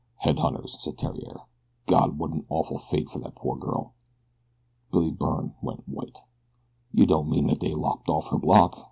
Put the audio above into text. "Head hunters," said Theriere. "God! What an awful fate for that poor girl!" Billy Byrne went white. "Yeh don't mean dat dey've lopped off her block?"